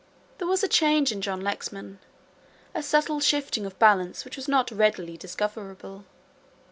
There was a change in John Lexman. A subtle shifting of balance which was not readily discoverable.